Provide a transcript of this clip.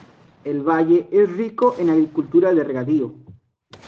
El valle es rico en agricultura de regadío.